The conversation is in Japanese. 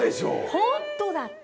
ホントだって！